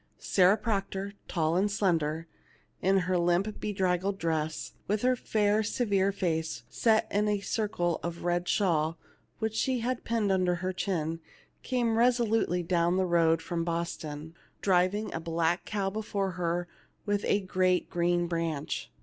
Sarah Proctor, tall and slender, in her limp bedraggled dress, with her fair severe face set in a circle of red shawl, which she had pinned un der her chin, came resolutely down the road from Boston, driving a black cow before her with a great green branch.